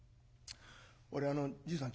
俺あのじいさん